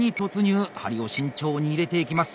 針を慎重に入れていきます。